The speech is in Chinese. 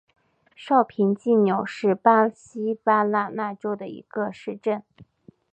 绍平济纽是巴西巴拉那州的一个市镇。